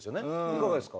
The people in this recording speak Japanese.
いかがですか？